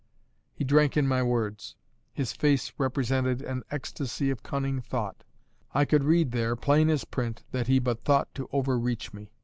He drank in my words; his face represented an ecstasy of cunning thought. I could read there, plain as print, that he but thought to overreach me.